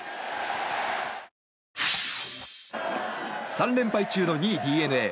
３連敗中の２位ＤｅＮＡ。